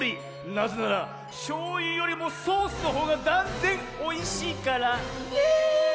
なぜならしょうゆよりもソースのほうがだんぜんおいしいから。ね！